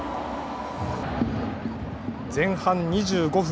前半２５分。